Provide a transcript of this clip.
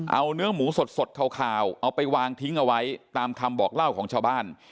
เอาเนื้อหมูสดขาวเอาไปวางทิ้งเอาไว้ตามคำบอกเล่าของชาวบ้าน